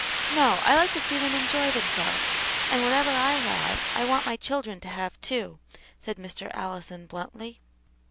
"No, I like to see them enjoy themselves, and whatever I have, I want my children to have, too," said Mr. Allison, bluntly.